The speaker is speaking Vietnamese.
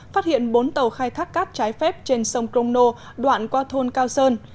phát hiện bốn tàu khai thác cát trái phép trên sông cromno đoạn qua thôn cao sơn